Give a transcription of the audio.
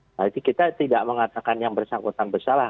berarti kita tidak mengatakan yang bersangkutan bersalah